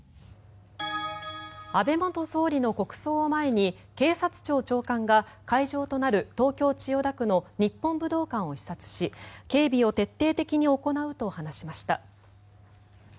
安倍元総理の国葬を前に警察庁長官が会場となる東京・千代田区の日本武道館を視察し警備を徹底的に行うと話しました。